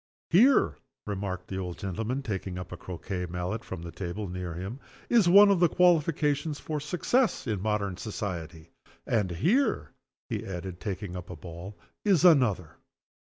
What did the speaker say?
Here," remarked the old gentleman, taking up a croquet mallet from the table near him, "is one of the qualifications for success in modern society. And here," he added, taking up a ball, "is another.